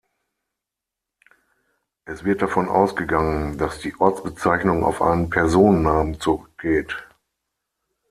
Es wird davon ausgegangen, dass die Ortsbezeichnung auf einen Personennamen zurückgeht.